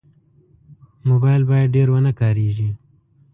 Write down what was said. موبایل باید ډېر ونه کارېږي.